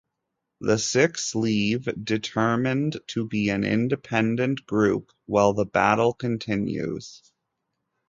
The Six leave, determined to be an independent group, while the battle continues.